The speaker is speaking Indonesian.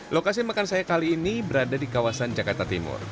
lokasi makan saya kali ini berada di kawasan jakarta timur